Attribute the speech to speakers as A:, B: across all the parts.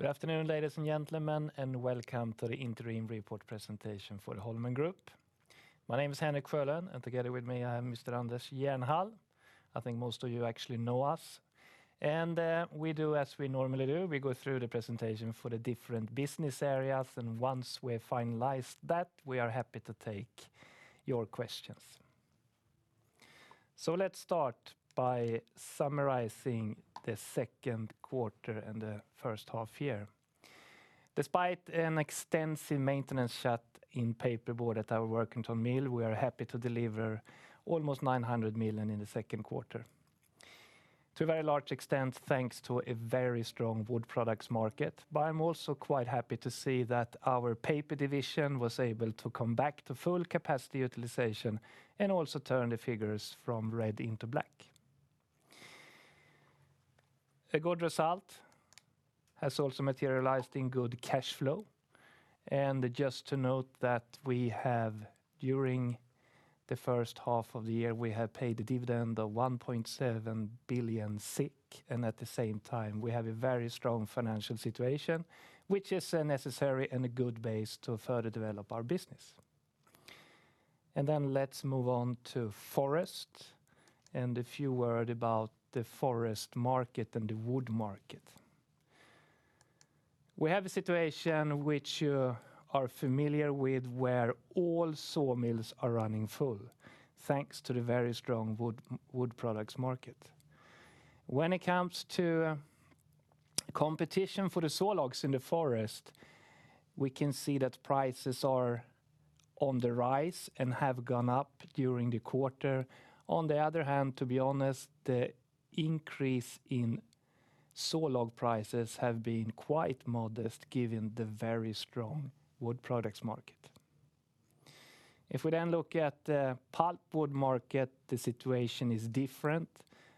A: Good afternoon, ladies and gentlemen, welcome to the interim report presentation for the Holmen Group. My name is Henrik Sjölund, and together with me, I have Mr. Anders Jernhall. I think most of you actually know us. We do as we normally do, we go through the presentation for the different business areas, and once we have finalized that, we are happy to take your questions. Let's start by summarizing the Q2 and the first half year. Despite an extensive maintenance shut in paperboard at our Workington Mill, we are happy to deliver almost 900 million in the Q2. To a very large extent, thanks to a very strong wood products market. I'm also quite happy to see that our paper division was able to come back to full capacity utilization and also turn the figures from red into black. A good result has also materialized in good cash flow. Just to note that during the first half of the year, we have paid a dividend of 1.7 billion, and at the same time, we have a very strong financial situation, which is a necessary and a good base to further develop our business. Let's move on to forest, and a few word about the forest market and the wood market. We have a situation which you are familiar with where all sawmills are running full, thanks to the very strong wood products market. When it comes to competition for the saw logs in the forest, we can see that prices are on the rise and have gone up during the quarter. On the other hand, to be honest, the increase in saw log prices have been quite modest given the very strong wood products market. If we look at the pulpwood market, the situation is different.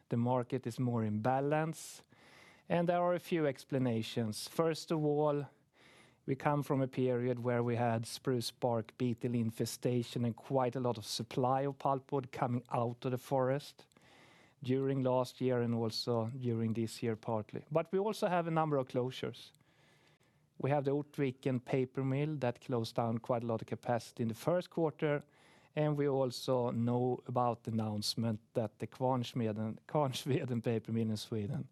A: The market is more in balance, there are a few explanations. First of all, we come from a period where we had spruce bark beetle infestation, quite a lot of supply of pulpwood coming out of the forest during last year and also during this year partly. We also have a number of closures. We have the paper mill that closed down quite a lot of capacity in the Q1, we also know about the announcement that the Kvarnsveden paper mill in Sweden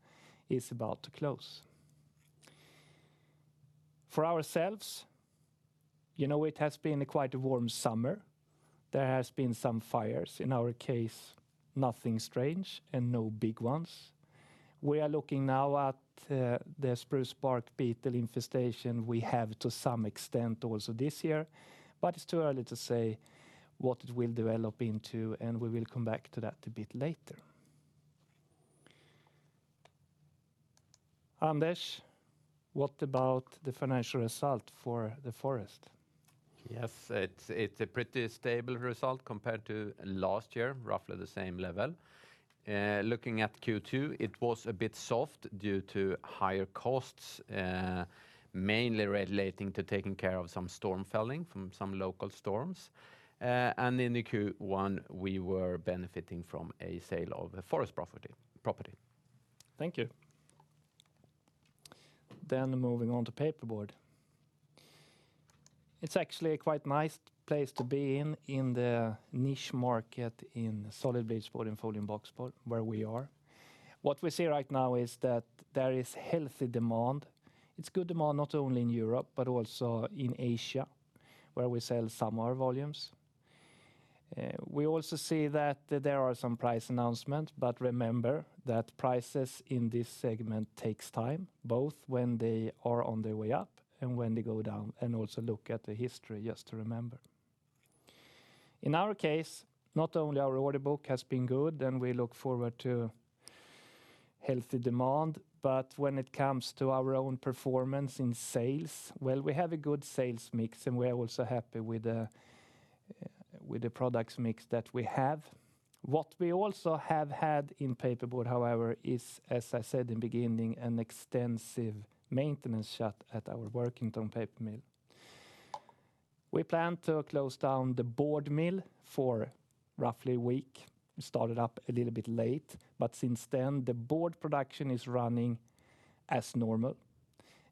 A: is about to close. For ourselves, it has been a quite a warm summer. There has been some fires. In our case, nothing strange and no big ones. We are looking now at the spruce bark beetle infestation we have to some extent also this year, but it's too early to say what it will develop into, and we will come back to that a bit later. Anders, what about the financial result for the forest?
B: It's a pretty stable result compared to last year, roughly the same level. Looking at Q2, it was a bit soft due to higher costs, mainly relating to taking care of some storm felling from some local storms. In the Q1, we were benefiting from a sale of a forest property.
A: Thank you. Moving on to paperboard. It's actually a quite nice place to be in the niche market in solid bleached board and folding boxboard, where we are. What we see right now is that there is healthy demand. It's good demand not only in Europe, but also in Asia, where we sell some of our volumes. We also see that there are some price announcements, but remember that prices in this segment takes time, both when they are on their way up and when they go down, and also look at the history, just to remember. In our case, not only our order book has been good, and we look forward to healthy demand, but when it comes to our own performance in sales, well, we have a good sales mix, and we're also happy with the products mix that we have. What we also have had in paperboard, however, is, as I said in beginning, an extensive maintenance shut at our Workington Mill. We plan to close down the board mill for roughly one week. Since then, the board production is running as normal.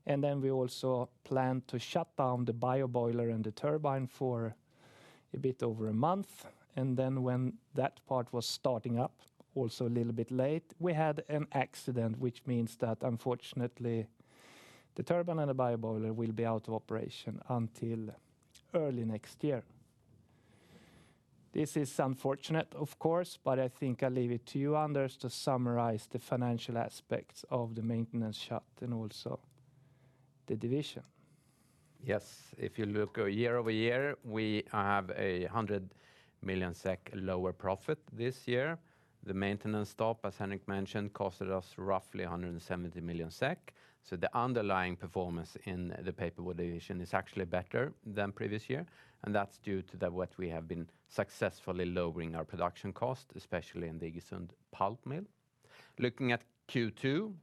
A: We also plan to shut down the bio boiler and the turbine for a bit over one month. When that part was starting up, also a little bit late, we had an accident, which means that unfortunately, the turbine and the bio boiler will be out of operation until early next year. This is unfortunate, of course, I think I'll leave it to you, Anders, to summarize the financial aspects of the maintenance shut and also the division.
B: Yes. If you look year-over-year, we have a 100 million SEK lower profit this year. The maintenance stop, as Henrik Sjölund mentioned, costed us roughly 170 million SEK. The underlying performance in the paperboard division is actually better than previous year, and that's due to what we have been successfully lowering our production cost, especially in the Iggesund pulp mill. Looking at Q2,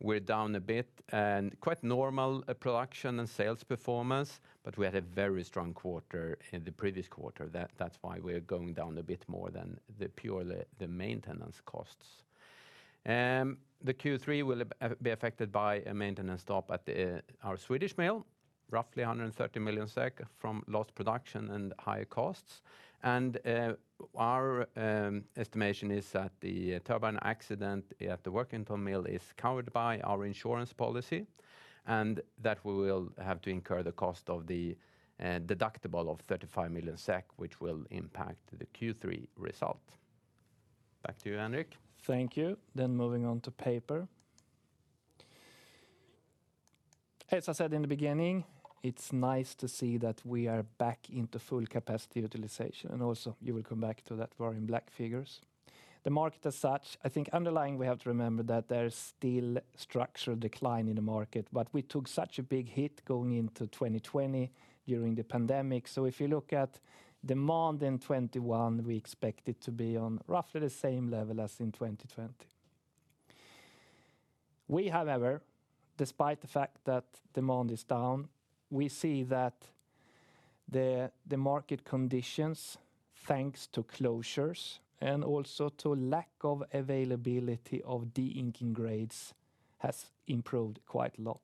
B: we're down a bit and quite normal production and sales performance, but we had a very strong quarter in the previous quarter. That's why we're going down a bit more than the purely the maintenance costs. The Q3 will be affected by a maintenance stop at our Swedish mill, roughly 130 million SEK from lost production and higher costs. Our estimation is that the turbine accident at the Workington Mill is covered by our insurance policy, and that we will have to incur the cost of the deductible of 35 million SEK, which will impact the Q3 result. Back to you, Henrik.
A: Thank you. Moving on to paper. As I said in the beginning, it's nice to see that we are back into full capacity utilization. Also you will come back to that volume black figures. The market as such, I think underlying, we have to remember that there is still structural decline in the market, but we took such a big hit going into 2020 during the pandemic. If you look at demand in 2021, we expect it to be on roughly the same level as in 2020. We however, despite the fact that demand is down, we see that the market conditions, thanks to closures and also to lack of availability of de-inking grades, has improved quite a lot.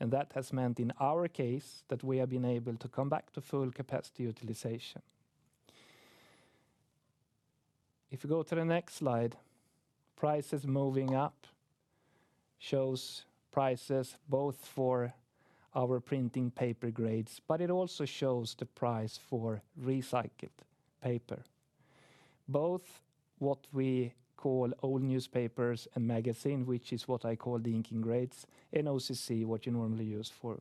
A: That has meant, in our case, that we have been able to come back to full capacity utilization. If you go to the next slide, prices moving up shows prices both for our printing paper grades, but it also shows the price for recycled paper. Both what we call old newspapers and magazine, which is what I call de-inking grades, and OCC, what you normally use for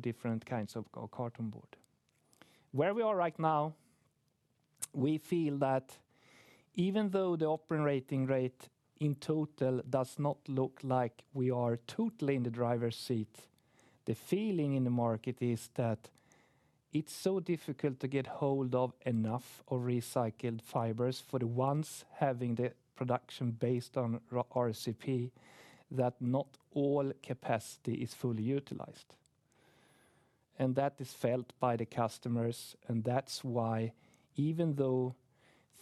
A: different kinds of carton board. Where we are right now, we feel that even though the operating rate in total does not look like we are totally in the driver's seat, the feeling in the market is that it's so difficult to get hold of enough of recycled fibers for the ones having the production based on RCP, that not all capacity is fully utilized. That is felt by the customers, and that's why even though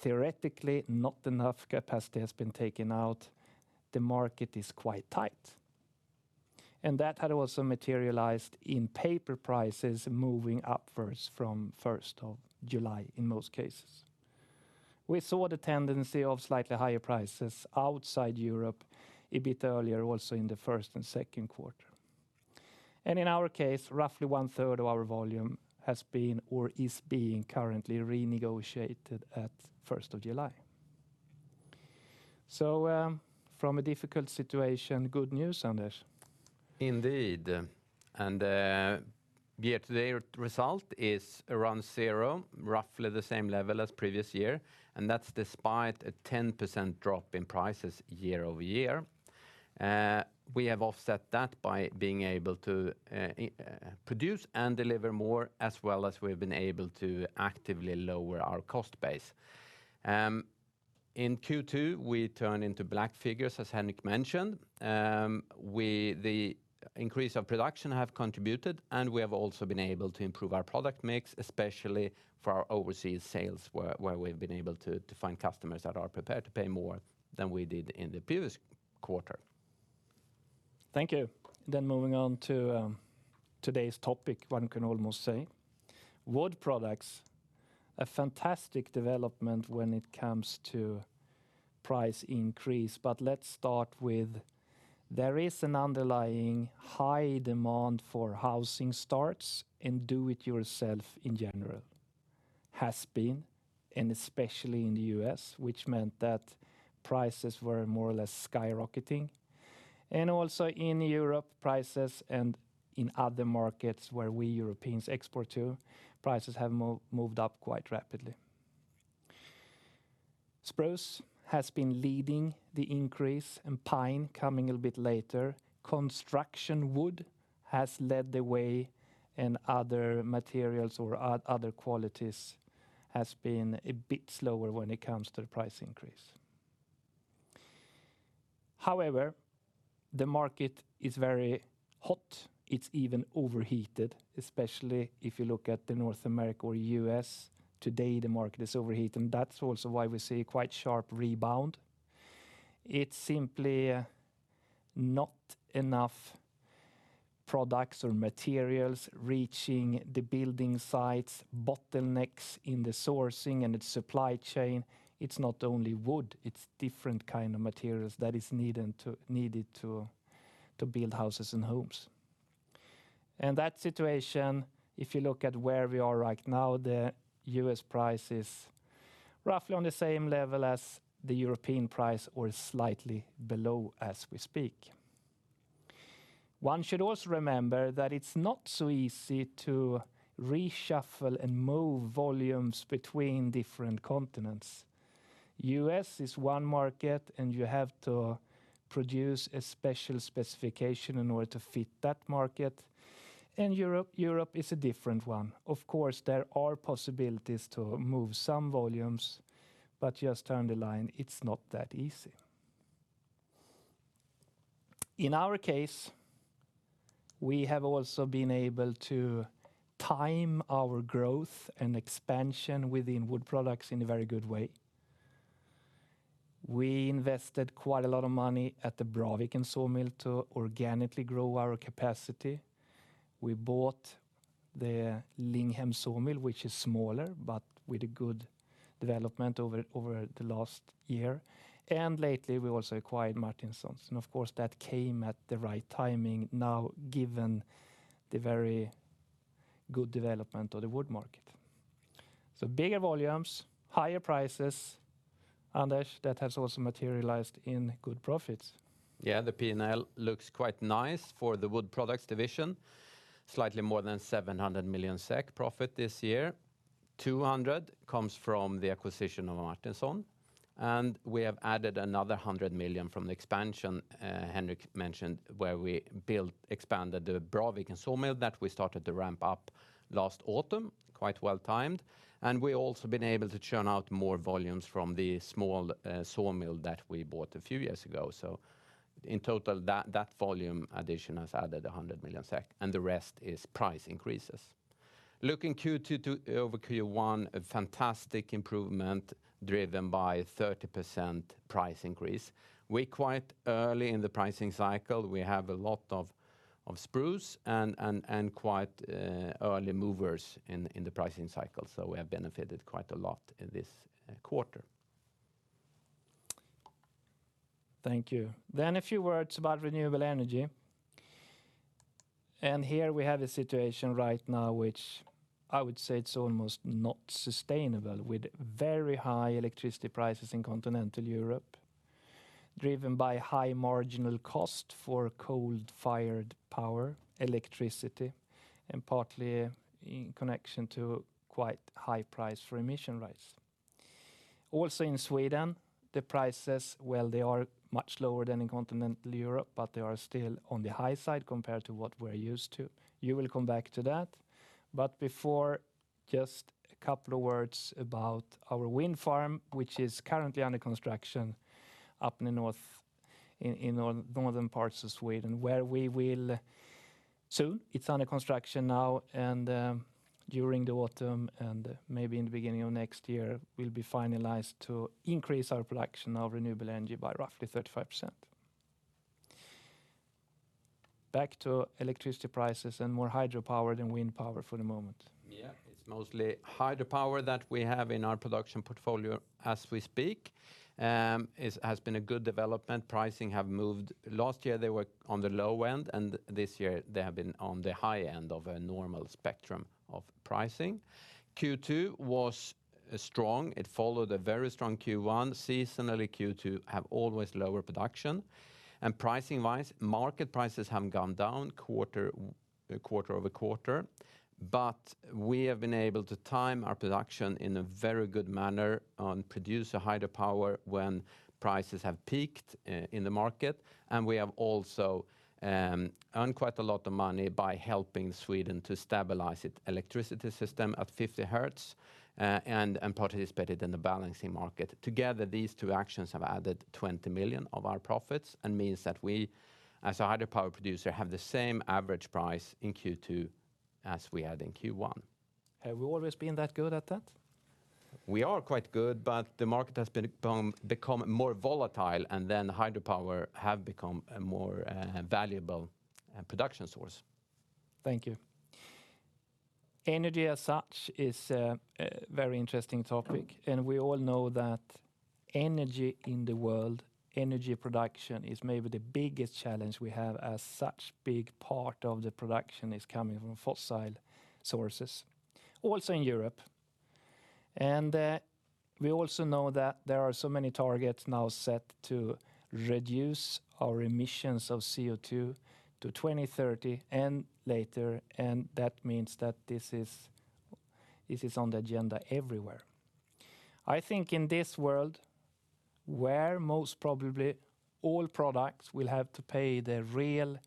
A: theoretically not enough capacity has been taken out, the market is quite tight. That had also materialized in paper prices moving upwards from 1st of July in most cases. We saw the tendency of slightly higher prices outside Europe a bit earlier, also in the first and Q2. In our case, roughly one third of our volume has been or is being currently renegotiated at 1st of July. From a difficult situation, good news, Anders.
B: Indeed. Year-to-date result is around zero, roughly the same level as previous year, and that's despite a 10% drop in prices year-over-year. We have offset that by being able to produce and deliver more, as well as we've been able to actively lower our cost base. In Q2, we turn into black figures, as Henrik mentioned. The increase of production have contributed, and we have also been able to improve our product mix, especially for our overseas sales, where we've been able to find customers that are prepared to pay more than we did in the previous quarter.
A: Thank you. Moving on to today's topic, one can almost say. Wood products, a fantastic development when it comes to price increase. Let's start with, there is an underlying high demand for housing starts and do-it-yourself in general. Has been, and especially in the U.S., which meant that prices were more or less skyrocketing. Also in Europe, prices, and in other markets where we Europeans export to, prices have moved up quite rapidly. Spruce has been leading the increase, and pine coming a little bit later. Construction wood has led the way, and other materials or other qualities has been a bit slower when it comes to the price increase. However, the market is very hot. It's even overheated, especially if you look at the North America or U.S. Today, the market is overheated, and that's also why we see a quite sharp rebound. It's simply not enough products or materials reaching the building sites, bottlenecks in the sourcing and its supply chain. It's not only wood, it's different kind of materials that is needed to build houses and homes. That situation, if you look at where we are right now, the U.S. price is roughly on the same level as the European price, or slightly below as we speak. One should also remember that it's not so easy to reshuffle and move volumes between different continents. U.S. is one market, and you have to produce a special specification in order to fit that market, and Europe is a different one. Of course, there are possibilities to move some volumes, but just underline, it's not that easy. In our case, we have also been able to time our growth and expansion within wood products in a very good way. We invested quite a lot of money at the Braviken sawmill to organically grow our capacity. We bought the Linghem sawmill, which is smaller but with a good development over the last year. Lately we also acquired Martinsons, and of course, that came at the right timing now given the very good development of the wood market. Bigger volumes, higher prices, Anders, that has also materialized in good profits.
B: The P&L looks quite nice for the wood products division. Slightly more than 700 million SEK profit this year. 200 million comes from the acquisition of Martinsons, and we have added another 100 million from the expansion Henrik mentioned, where we expanded the Braviken sawmill that we started to ramp up last autumn, quite well timed, and we also have been able to churn out more volumes from the small sawmill that we bought a few years ago. In total, that volume addition has added 100 million SEK, and the rest is price increases. Looking Q2-over-Q1, a fantastic improvement driven by 30% price increase. We're quite early in the pricing cycle. We have a lot of spruce and quite early movers in the pricing cycle, we have benefited quite a lot in this quarter.
A: Thank you. A few words about renewable energy. Here we have a situation right now which I would say it's almost not sustainable, with very high electricity prices in continental Europe, driven by high marginal cost for coal-fired power, electricity, and partly in connection to quite high price for emission rights. Also in Sweden, the prices, well, they are much lower than in continental Europe, but they are still on the high side compared to what we're used to. You will come back to that. Before, just a couple of words about our wind farm, which is currently under construction up in the northern parts of Sweden. It's under construction now and during the autumn and maybe in the beginning of next year, we'll be finalized to increase our production of renewable energy by roughly 35%. Back to electricity prices and more hydropower than wind power for the moment.
B: Yeah. It's mostly hydropower that we have in our production portfolio as we speak. It has been a good development. Pricing have moved. Last year, they were on the low end, and this year they have been on the high end of a normal spectrum of pricing. Q2 was strong. It followed a very strong Q1. Seasonally, Q2 have always lower production. Pricing-wise, market prices have gone down quarter-over-quarter, but we have been able to time our production in a very good manner and produce hydropower when prices have peaked in the market. We have also earned quite a lot of money by helping Sweden to stabilize its electricity system at 50 hertz and participated in the balancing market. Together, these two actions have added 20 million of our profits and means that we, as a hydropower producer, have the same average price in Q2 as we had in Q1.
A: Have we always been that good at that?
B: We are quite good, but the market has become more volatile and then hydropower have become a more valuable production source.
A: Thank you. Energy as such is a very interesting topic, and we all know that energy in the world, energy production, is maybe the biggest challenge we have as such big part of the production is coming from fossil sources, also in Europe. We also know that there are so many targets now set to reduce our emissions of CO2 to 2030 and later, and that means that this is on the agenda everywhere. I think in this world, where most probably all products will have to pay the real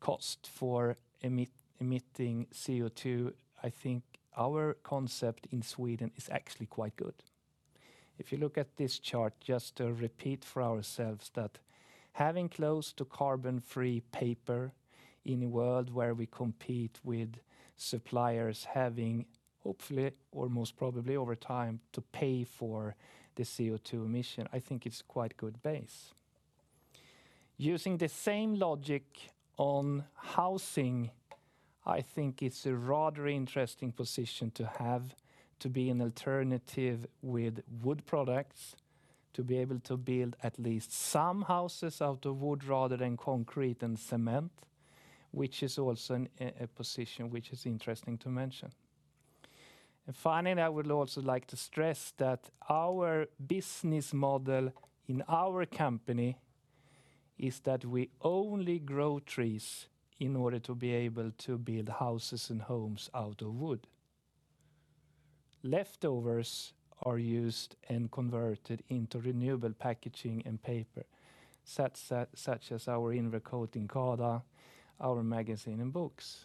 A: cost for emitting CO2, I think our concept in Sweden is actually quite good. If you look at this chart, just to repeat for ourselves that having close to carbon-free paper in a world where we compete with suppliers having, hopefully, or most probably over time, to pay for the CO2 emission, I think it's quite a good base. Using the same logic on housing, I think it's a rather interesting position to have to be an alternative with wood products, to be able to build at least some houses out of wood rather than concrete and cement, which is also a position which is interesting to mention. Finally, I would also like to stress that our business model in our company is that we only grow trees in order to be able to build houses and homes out of wood. Leftovers are used and converted into renewable packaging and paper, such as our Invercote, Incada, our magazine, and books.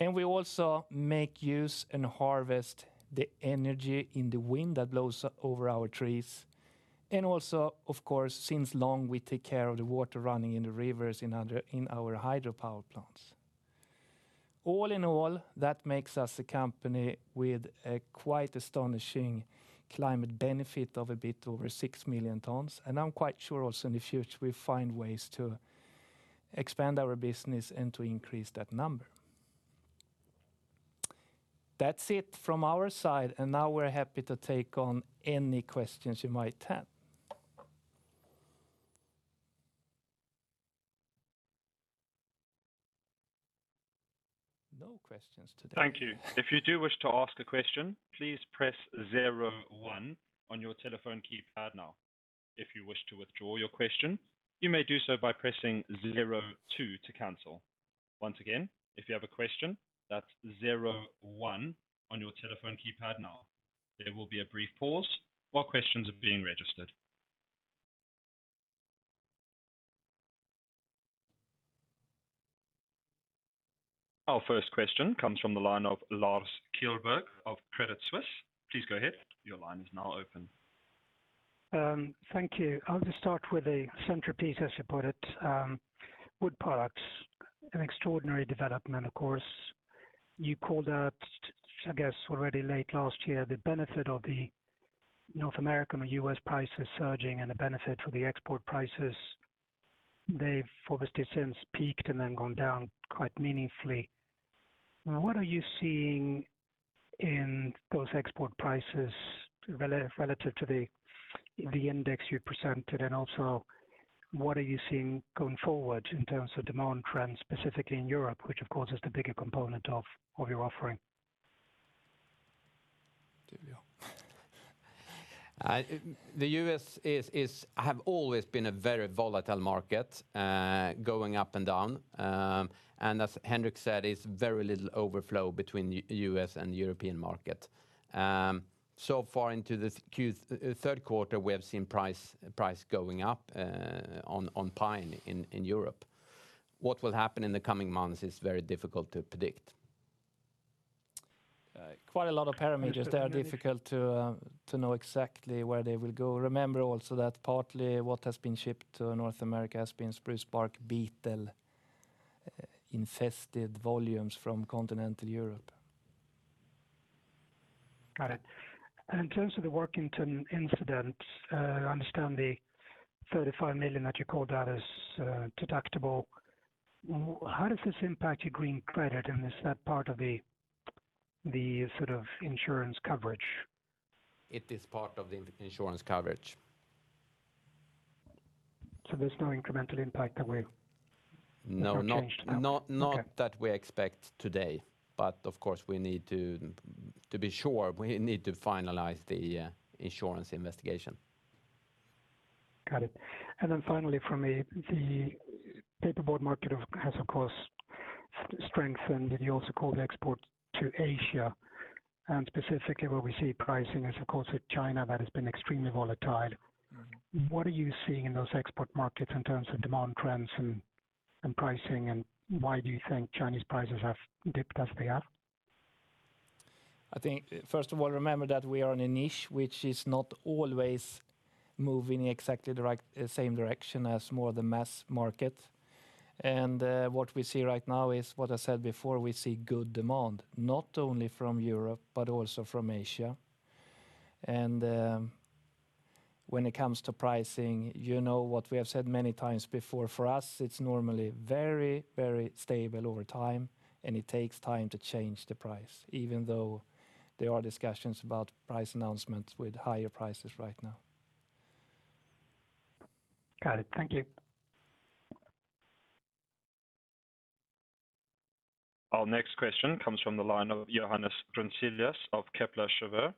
A: We also make use and harvest the energy in the wind that blows over our trees. Also, of course, since long, we take care of the water running in the rivers in our hydropower plants. All in all, that makes us a company with a quite astonishing climate benefit of a bit over 6 million tons. I'm quite sure also in the future, we find ways to expand our business and to increase that number. That's it from our side, and now we're happy to take on any questions you might have. No questions today.
C: Thank you. If you do wish to ask a question, please press 01 on your telephone keypad now. If you wish to withdraw your question, you may do so by pressing 02 to cancel. Once again, if you have a question, that's 01 on your telephone keypad now. There will be a brief pause while questions are being registered. Our first question comes from the line of Lars Kjellberg of Credit Suisse.
D: Thank you. I'll just start with the centerpiece, as you put it, wood products, an extraordinary development, of course. You called out, I guess, already late last year the benefit of the North American or U.S. prices surging and the benefit for the export prices. They've obviously since peaked then gone down quite meaningfully. What are you seeing in those export prices relative to the index you presented? Also, what are you seeing going forward in terms of demand trends, specifically in Europe, which of course is the bigger component of your offering?
A: Anders.
B: The U.S. have always been a very volatile market, going up and down. As Henrik said, it's very little overflow between U.S. and European market. Far into this Q3, we have seen price going up on pine in Europe. What will happen in the coming months is very difficult to predict.
A: Quite a lot of parameters there, difficult to know exactly where they will go. Remember also that partly what has been shipped to North America has been spruce bark beetle-infested volumes from continental Europe.
D: Got it. In terms of the Workington incident, I understand the 35 million that you called out as deductible. How does this impact your green credit, and is that part of the insurance coverage?
B: It is part of the insurance coverage.
D: There's no incremental impact.
B: No
D: Have changed now?
B: Not that we expect today, but of course, to be sure, we need to finalize the insurance investigation.
D: Got it. Finally from me, the paperboard market has, of course, strengthened. You also called the export to Asia. Specifically where we see pricing is, of course, with China, that has been extremely volatile. What are you seeing in those export markets in terms of demand trends and pricing, and why do you think Chinese prices have dipped as they have?
A: I think, first of all, remember that we are in a niche which is not always moving exactly the same direction as more the mass market. What we see right now is what I said before, we see good demand, not only from Europe but also from Asia. When it comes to pricing, you know what we have said many times before. For us, it's normally very, very stable over time, and it takes time to change the price, even though there are discussions about price announcements with higher prices right now.
D: Got it. Thank you.
C: Our next question comes from the line of Johannes Grunselius of Kepler Cheuvreux.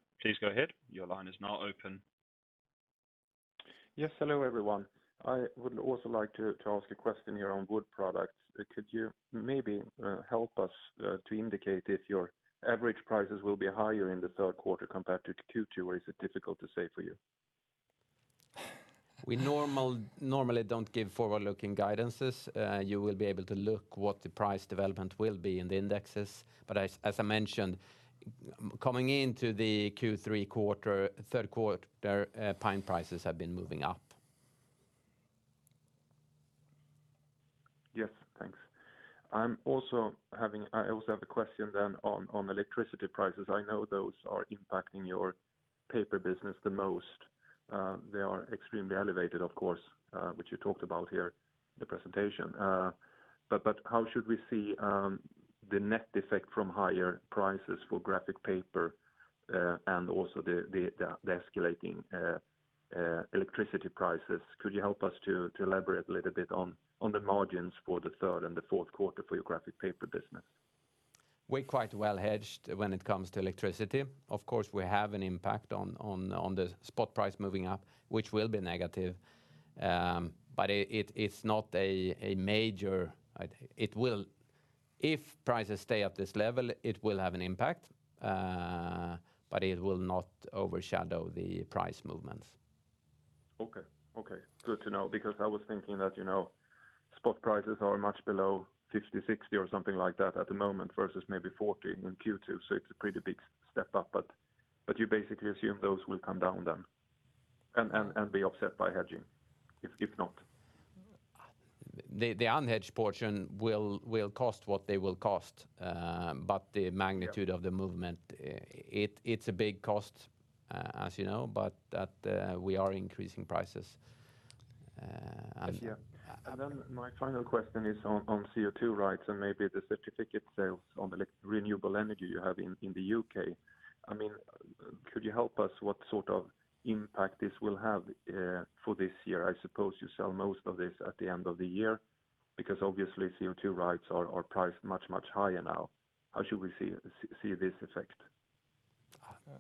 E: Yes. Hello, everyone. I would also like to ask a question here on wood products. Could you maybe help us to indicate if your average prices will be higher in the Q3 compared to Q2, or is it difficult to say for you?
B: We normally don't give forward-looking guidances. You will be able to look what the price development will be in the indexes. As I mentioned, coming into the Q3-quarter, Q3, pine prices have been moving up.
E: Yes. Thanks. I also have a question then on electricity prices. I know those are impacting your paper business the most. They are extremely elevated, of course, which you talked about here in the presentation. How should we see the net effect from higher prices for graphic paper and also the escalating electricity prices? Could you help us to elaborate a little bit on the margins for the third and the Q4 for your graphic paper business?
B: We're quite well hedged when it comes to electricity. Of course, we have an impact on the spot price moving up, which will be negative, but it's not a major. If prices stay at this level, it will have an impact, but it will not overshadow the price movements.
E: Good to know, because I was thinking that spot prices are much below 50, 60 or something like that at the moment, versus maybe 40 in Q2, so it's a pretty big step up. You basically assume those will come down then and be offset by hedging, if not?
B: The unhedged portion will cost what they will cost. The magnitude of the movement, it's a big cost, as you know, but we are increasing prices.
E: Yeah. My final question is on CO2 rights and maybe the certificate sales on renewable energy you have in the U.K. Could you help us what sort of impact this will have for this year? I suppose you sell most of this at the end of the year, because obviously CO2 rights are priced much higher now. How should we see this affect?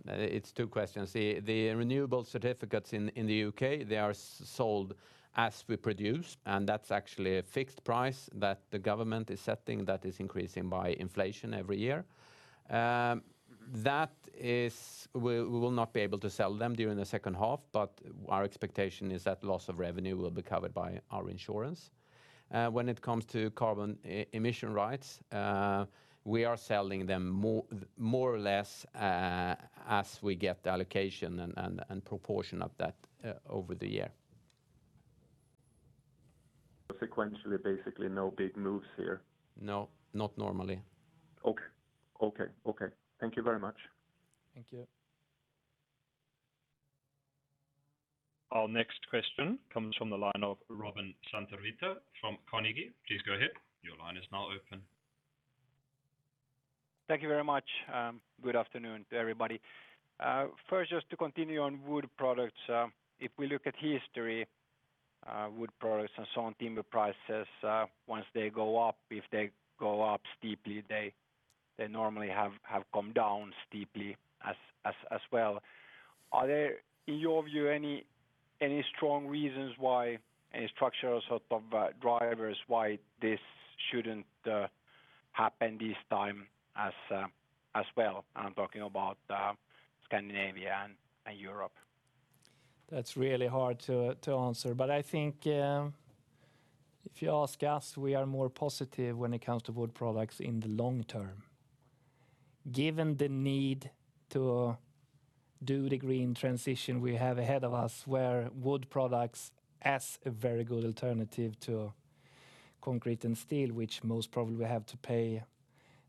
B: It's two questions. The renewable certificates in the U.K., they are sold as we produce, and that's actually a fixed price that the government is setting that is increasing by inflation every year. We will not be able to sell them during the second half, but our expectation is that loss of revenue will be covered by our insurance. When it comes to carbon emission rights, we are selling them more or less as we get the allocation and proportion of that over the year.
E: Sequentially, basically no big moves here?
B: No, not normally.
E: Okay. Thank you very much.
B: Thank you.
C: Our next question comes from the line of Robin Santavirta from Carnegie. Please go ahead. Your line is now open.
F: Thank you very much. Good afternoon to everybody. First, just to continue on wood products. If we look at history, wood products and sawn timber prices, once they go up, if they go up steeply, they normally have come down steeply as well. Are there, in your view, any strong reasons why, any structural sort of drivers why this shouldn't happen this time as well? I'm talking about Scandinavia and Europe.
A: That's really hard to answer. I think if you ask us, we are more positive when it comes to wood products in the long term. Given the need to do the green transition we have ahead of us, where wood products as a very good alternative to concrete and steel, which most probably will have to pay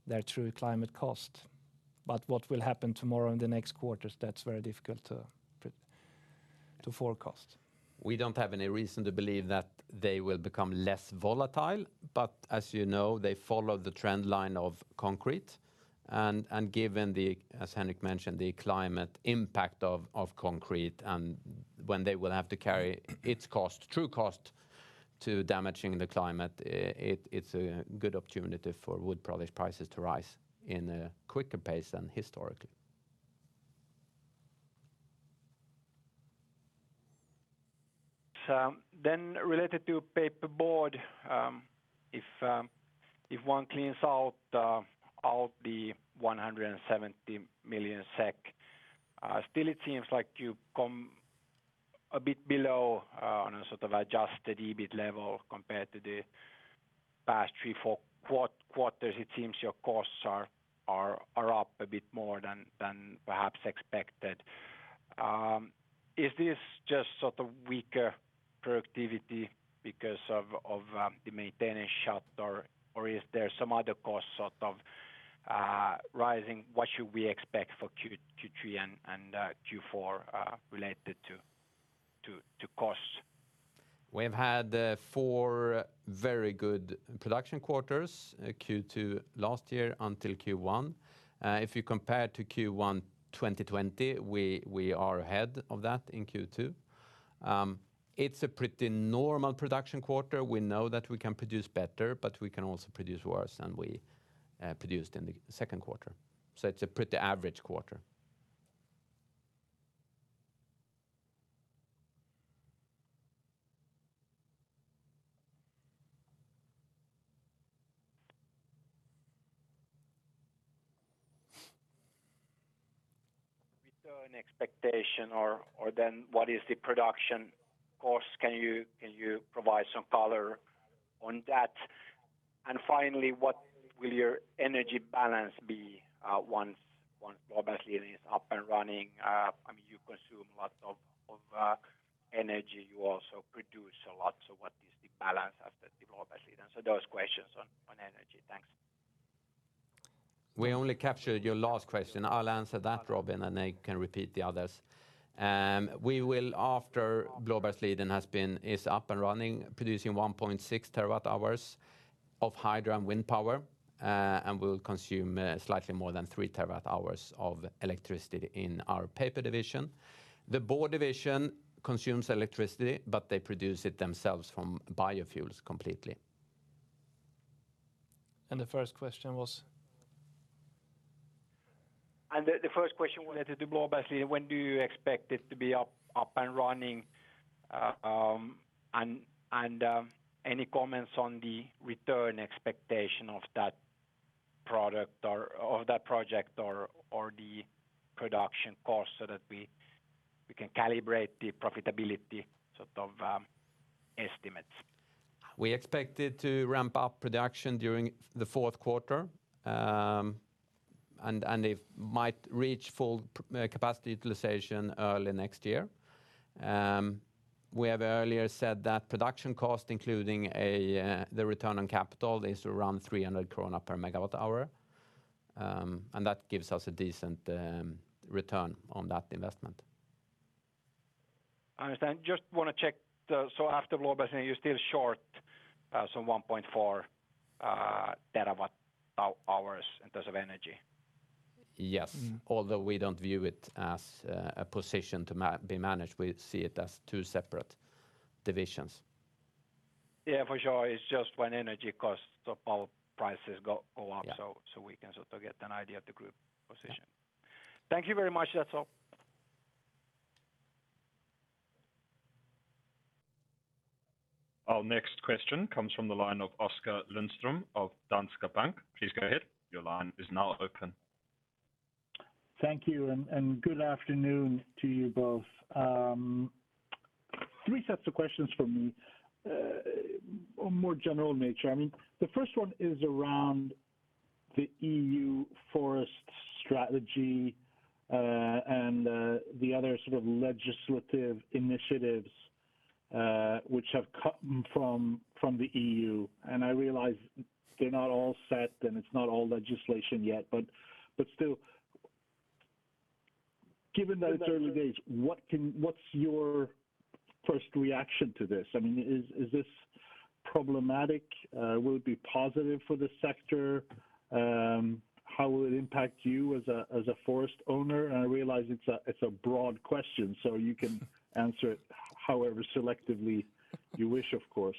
A: their true climate cost. What will happen tomorrow in the next quarters, that's very difficult to forecast.
B: We don't have any reason to believe that they will become less volatile. As you know, they follow the trend line of concrete. Given the, as Henrik mentioned, the climate impact of concrete and when they will have to carry its true cost to damaging the climate, it's a good opportunity for wood product prices to rise in a quicker pace than historically.
F: Related to paperboard, if one cleans out all the 170 million SEK, still it seems like you come a bit below on a sort of adjusted EBIT level compared to the past 3, 4 quarters. It seems your costs are up a bit more than perhaps expected. Is this just sort of weaker productivity because of the maintenance shut or is there some other cost sort of rising? What should we expect for Q3 and Q4 related to costs?
B: We've had four very good production quarters, Q2 last year until Q1. If you compare to Q1 2020, we are ahead of that in Q2. It's a pretty normal production quarter. We know that we can produce better, but we can also produce worse than we produced in the Q2. It's a pretty average quarter.
F: Return expectation or then what is the production cost? Can you provide some color on that? Finally, what will your energy balance be once Blåbergsliden is up and running? You consume lots of energy. You also produce a lot. What is the balance after Blåbergsliden? Those questions on energy. Thanks.
B: We only captured your last question. I'll answer that, Robin, and then you can repeat the others. We will, after Blåbergsliden is up and running, producing 1.6 TWh of hydro and wind power, and we'll consume slightly more than 3 TWh of electricity in our paper division. The board division consumes electricity, but they produce it themselves from biofuels completely.
A: The first question was?
F: The first question related to Blåbergsliden, when do you expect it to be up and running? Any comments on the return expectation of that product or that project or the production cost so that we can calibrate the profitability estimates?
B: We expected to ramp up production during the Q4, and it might reach full capacity utilization early next year. We have earlier said that production cost, including the return on capital, is around 300 krona per MWh, and that gives us a decent return on that investment.
F: Understand. Just want to check, after Blåbergsliden, you're still short some 1.4 TWh in terms of energy?
B: Yes. Although we don't view it as a position to be managed, we see it as two separate divisions.
F: Yeah, for sure. It's just when energy costs or power prices go up.
B: Yeah.
F: We can sort of get an idea of the group position. Thank you very much. That is all.
C: Our next question comes from the line of Oskar Lindström of Danske Bank. Please go ahead. Your line is now open.
G: Thank you, good afternoon to you both. Three sets of questions from me. More general nature. The first one is around the EU Forest Strategy, and the other sort of legislative initiatives which have come from the EU, and I realize they're not all set and it's not all legislation yet. Still, given that it's early days, what's your first reaction to this? Is this problematic? Will it be positive for the sector? How will it impact you as a forest owner? I realize it's a broad question, so you can answer it however selectively you wish, of course.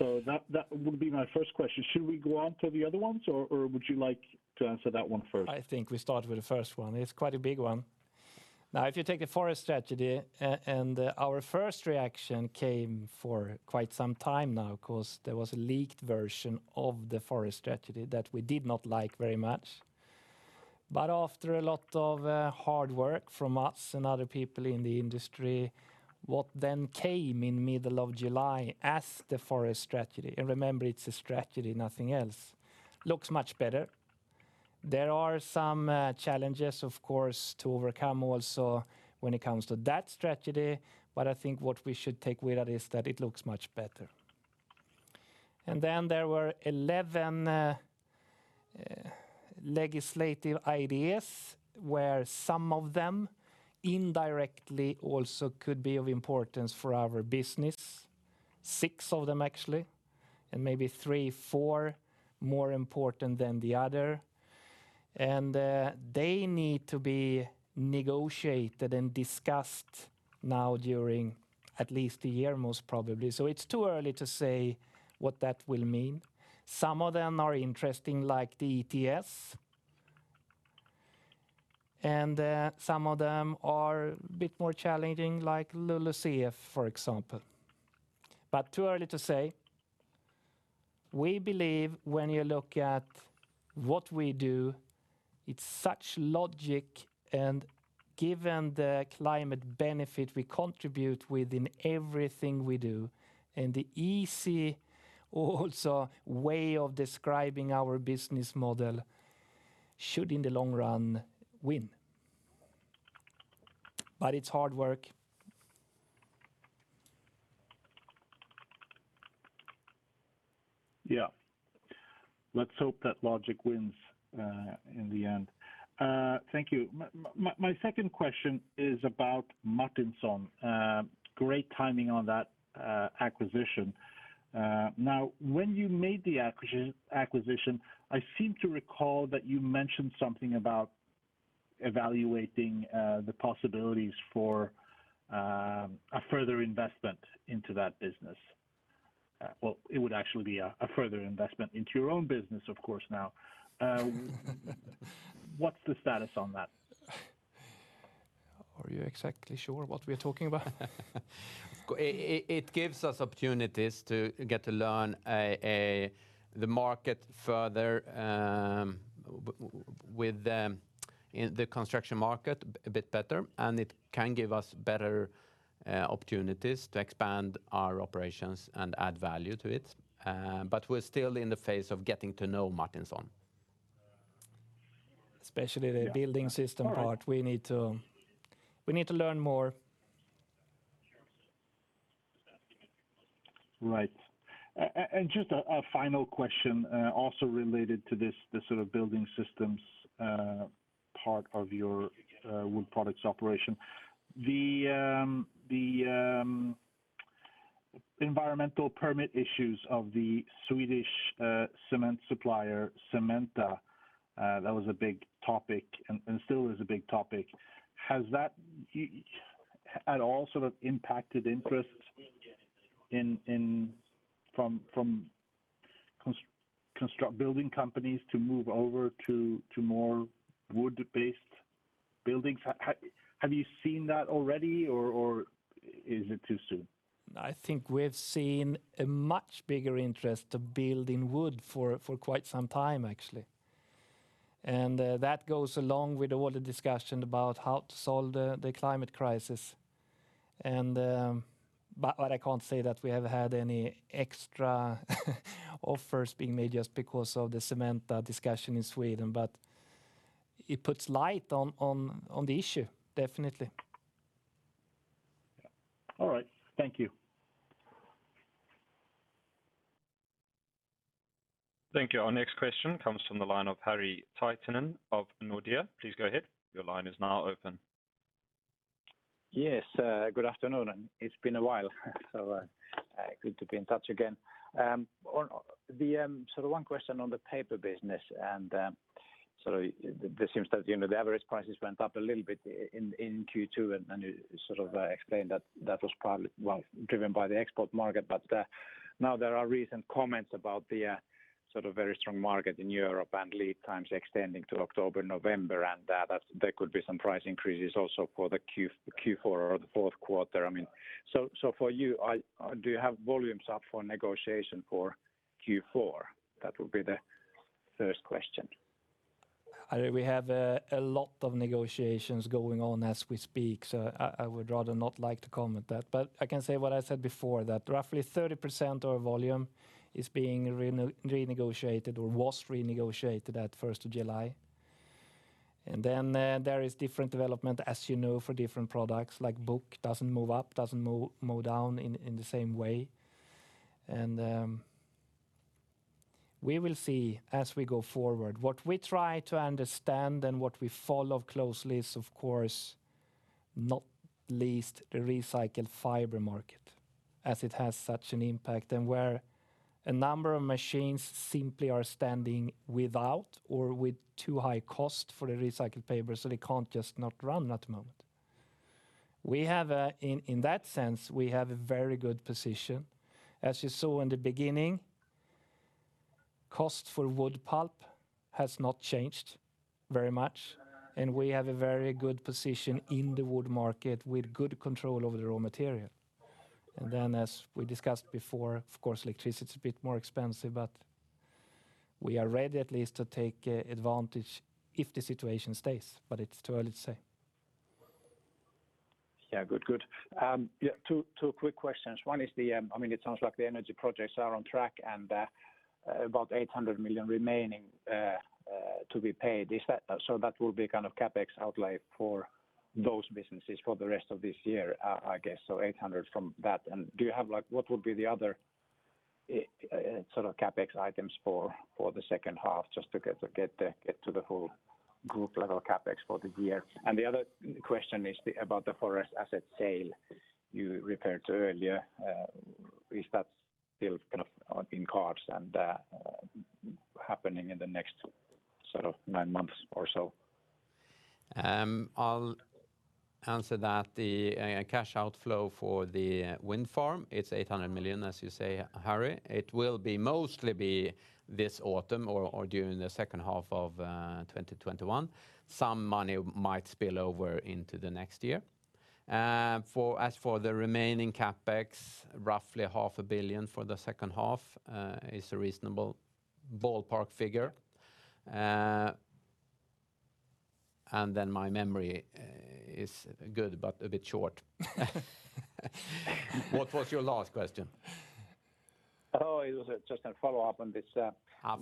G: That would be my first question. Should we go on to the other ones, or would you like to answer that one first?
A: I think we start with the first one. It's quite a big one. If you take the Forest Strategy, and our first reaction came for quite some time now because there was a leaked version of the Forest Strategy that we did not like very much. After a lot of hard work from us and other people in the industry, what then came in middle of July as the Forest Strategy, and remember, it's a strategy, nothing else, looks much better. There are some challenges, of course, to overcome also when it comes to that strategy, but I think what we should take with that is that it looks much better. Then there were 11 legislative ideas where some of them indirectly also could be of importance for our business, six of them, actually, and maybe three, four more important than the other. They need to be negotiated and discussed now during at least a year, most probably. It's too early to say what that will mean. Some of them are interesting, like the ETS, and some of them are a bit more challenging, like LULUCF, for example, but too early to say. We believe when you look at what we do, it's such logic, and given the climate benefit we contribute within everything we do, and the easy also way of describing our business model should, in the long run, win. It's hard work.
G: Yeah. Let's hope that logic wins in the end. Thank you. My second question is about Martinsons. Great timing on that acquisition. Now, when you made the acquisition, I seem to recall that you mentioned something about evaluating the possibilities for a further investment into that business. Well, it would actually be a further investment into your own business, of course, now. What's the status on that?
A: Are you exactly sure what we're talking about?
B: It gives us opportunities to get to learn the market further with the construction market a bit better, and it can give us better opportunities to expand our operations and add value to it. We're still in the phase of getting to know Martinsons.
A: Especially the building system part. We need to learn more.
G: Right. Just a final question, also related to this sort of building systems part of your wood products operation. The environmental permit issues of the Swedish cement supplier, Cementa, that was a big topic and still is a big topic. Has that at all sort of impacted interest from building companies to move over to more wood-based buildings? Have you seen that already or is it too soon?
A: I think we've seen a much bigger interest to build in wood for quite some time, actually. That goes along with all the discussion about how to solve the climate crisis. I can't say that we have had any extra offers being made just because of the cement discussion in Sweden, but it puts light on the issue, definitely.
G: All right. Thank you.
C: Thank you. Our next question comes from the line of Harri Taittonen of Nordea. Please go ahead. Your line is now open.
H: Yes, good afternoon. It's been a while, good to be in touch again. One question on the paper business, and it seems that the average prices went up a little bit in Q2, and you explained that was driven by the export market. Now there are recent comments about the very strong market in Europe and lead times extending to October, November, and that there could be some price increases also for the Q4 or the Q4. For you, do you have volumes up for negotiation for Q4? That would be the first question.
A: Harri, we have a lot of negotiations going on as we speak. I would rather not like to comment that. I can say what I said before, that roughly 30% of our volume is being renegotiated or was renegotiated at 1st of July. Then there is different development, as you know, for different products. Like book doesn't move up, doesn't move down in the same way. We will see as we go forward. What we try to understand and what we follow closely is, of course, not least the recycled fiber market, as it has such an impact, and where a number of machines simply are standing without or with too high cost for the recycled paper, so they can't just not run at the moment. In that sense, we have a very good position. As you saw in the beginning, cost for wood pulp has not changed very much, and we have a very good position in the wood market with good control over the raw material. As we discussed before, of course, electricity is a bit more expensive, but we are ready at least to take advantage if the situation stays, but it is too early to say.
H: Good. Two quick questions. One is, it sounds like the energy projects are on track and about 800 million remaining to be paid. That will be CapEx outlay for those businesses for the rest of this year, I guess, 800 from that. What would be the other CapEx items for the second half, just to get to the whole group-level CapEx for the year? The other question is about the forest asset sale you referred to earlier. Is that still in cards and happening in the next nine months or so?
B: I'll answer that. The cash outflow for the wind farm, it's 800 million, as you say, Harri. It will mostly be this autumn or during the second half of 2021. Some money might spill over into the next year. As for the remaining CapEx, roughly half a billion for the second half is a reasonable ballpark figure. My memory is good but a bit short. What was your last question?
H: It was just a follow-up on this.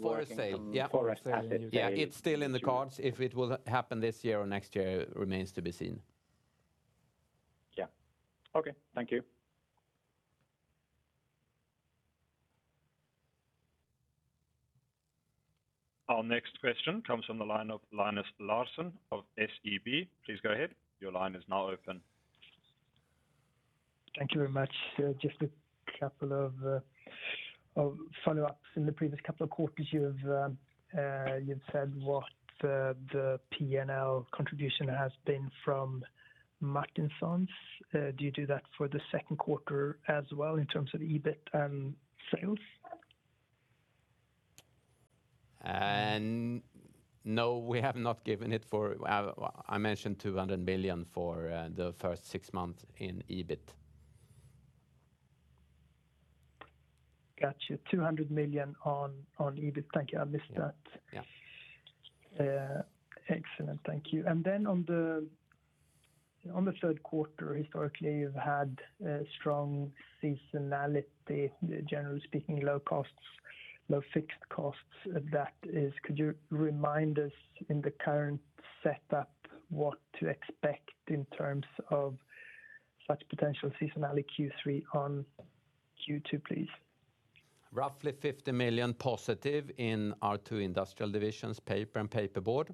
B: Forest sale
H: Forest asset.
B: Yeah, it's still in the cards. If it will happen this year or next year remains to be seen.
H: Yeah. Okay. Thank you.
C: Our next question comes from the line of Linus Larsson of SEB. Please go ahead.
I: Thank you very much. Just a couple of follow-ups. In the previous couple of quarters, you've said what the P&L contribution has been from Martinsons. Do you do that for the Q2 as well in terms of EBIT and sales?
B: No, we have not given it for I mentioned 200 million for the first six months in EBIT.
I: Got you. 200 million on EBIT. Thank you. I missed that. Excellent. Thank you. On the Q3, historically, you've had strong seasonality, generally speaking, low fixed costs. Could you remind us in the current setup what to expect in terms of such potential seasonality, Q3 on Q2, please?
B: Roughly 50 million positive in our two industrial divisions, paper and paperboard.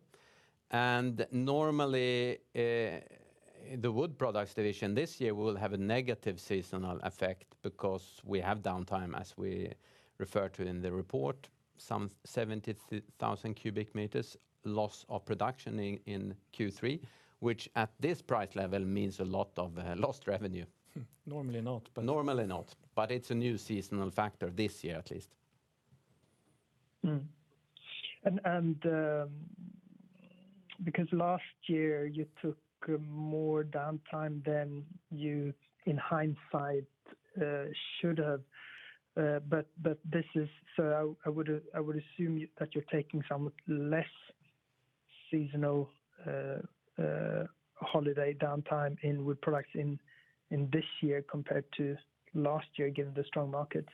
B: Normally, the wood products division this year will have a negative seasonal effect because we have downtime, as we referred to in the report, some 70,000 cubic meters loss of production in Q3, which at this price level means a lot of lost revenue.
A: Normally not.
B: Normally not. It's a new seasonal factor this year at least.
I: Mm-hmm. Because last year you took more downtime than you, in hindsight, should have. I would assume that you're taking some less seasonal holiday downtime in wood products in this year compared to last year, given the strong markets.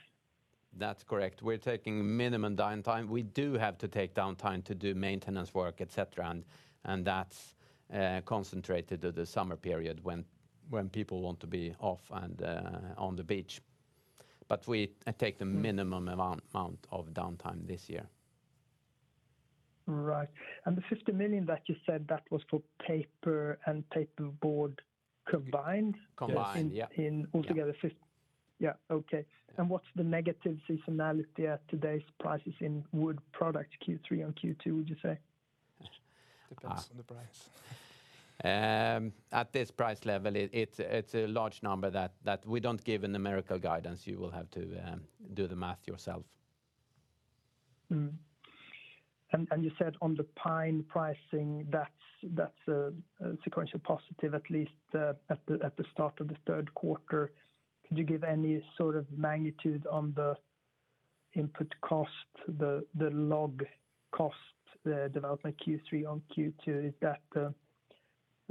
B: That's correct. We're taking minimum downtime. We do have to take downtime to do maintenance work, et cetera, and that's concentrated at the summer period when people want to be off and on the beach. We take the minimum amount of downtime this year.
I: Right. The 50 million that you said, that was for paper and paperboard combined?
B: Combined, yeah.
I: Yeah. Okay. What's the negative seasonality at today's prices in wood product Q3 and Q2, would you say?
A: Depends on the price.
B: At this price level, it's a large number that we don't give numerical guidance. You will have to do the math yourself.
I: Mm-hmm. You said on the pine pricing, that's a sequential positive, at least at the start of the Q3. Could you give any sort of magnitude on the input cost, the log cost, the development Q3 on Q2? Is that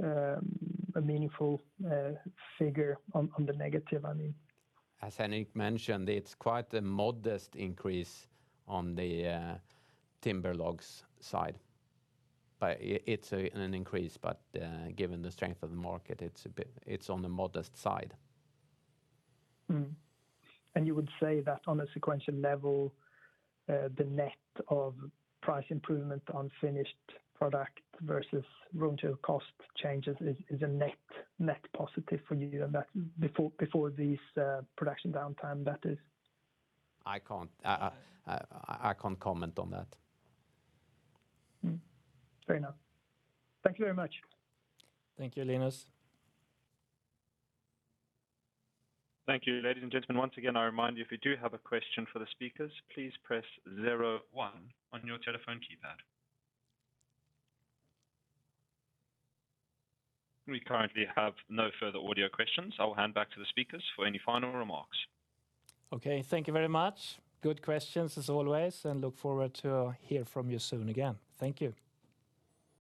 I: a meaningful figure on the negative?
B: As Henrik mentioned, it's quite a modest increase on the timber logs side. It's an increase, but given the strength of the market, it's on the modest side.
I: Mm-hmm. You would say that on a sequential level, the net of price improvement on finished product versus raw material cost changes is a net positive for you, before this production downtime, that is?
B: I can't comment on that.
I: Mm-hmm. Fair enough. Thank you very much.
A: Thank you, Linus.
C: Thank you, ladies and gentlemen. Once again, I remind you, if you do have a question for the speakers, please press zero one on your telephone keypad. We currently have no further audio questions. I will hand back to the speakers for any final remarks.
A: Okay. Thank you very much. Good questions, as always, and look forward to hear from you soon again. Thank you.